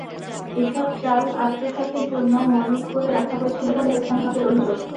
এসব চাল আত্মসাতের জন্য মজুত করে রাখা হয়েছিল বলে স্থানীয়দের অভিযোগ।